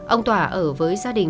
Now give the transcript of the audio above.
ông tỏa ở với gia đình